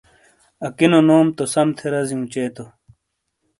اکینو نوم تو سمتھے رزیوں چے تو۔